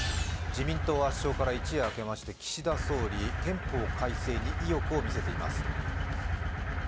自民党圧勝から一夜明けまして岸田総理、憲法改正に意欲を見せています。